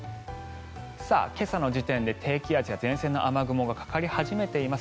今朝の時点で低気圧や前線の雨雲がかかり始めています。